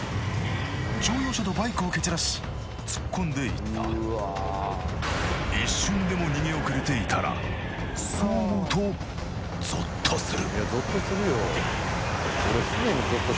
乗用車とバイクを蹴散らし突っ込んでいった一瞬でもそう思うとゾッとする